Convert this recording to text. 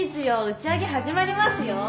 打ち上げ始まりますよ。